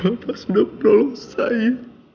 bapak sudah menolong saya